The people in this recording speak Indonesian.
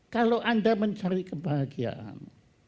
kalau anda mencari kebahagiaan